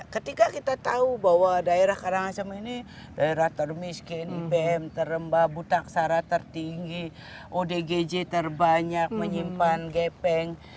ketika kita tahu bahwa daerah karangasem ini daerah termiskin bm terembah butak sara tertinggi odgj terbanyak menyimpan gepeng